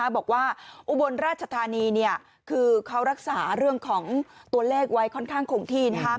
บอกว่าอุบลราชธานีคือเขารักษาเรื่องของตัวเลขไว้ค่อนข้างคงที่